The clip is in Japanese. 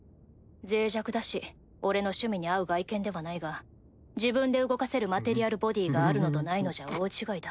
脆弱だし俺の趣味に合う外見ではないが自分で動かせるマテリアル・ボディーがあるのとないのじゃ大違いだ。